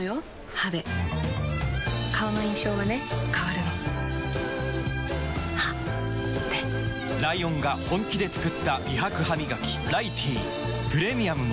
歯で顔の印象はね変わるの歯でライオンが本気で作った美白ハミガキ「ライティー」プレミアムも